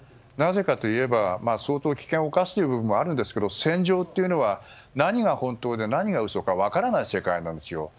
なぜかといえば相当、危険を冒すという部分もあると思うんですけど戦場というのは何が本当で何が嘘か分からない世界なんです。